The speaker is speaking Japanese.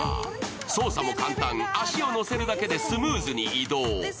操作も簡単、足を乗せるだけでスムーズに移動。